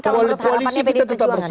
kalau menurut harapannya bdp jawa jawa